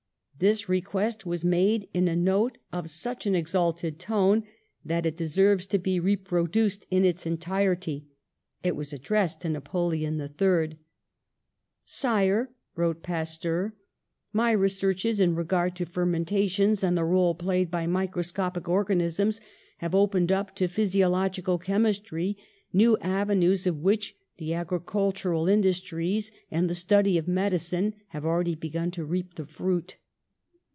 This request was made in a note of such an exalted tone that it deserves to be re 92 PASTEUR produced in its entirety. It was addressed to Napoleon III. ''Sire," wrote Pasteur, ''my researches in re gard to fermentations and the role played by microscopic organisms have opened up to physiological chemistry new avenues of which the agricultural industries and the study of medicine have already begun to reap the fruit.